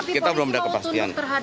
kita belum ada kepastian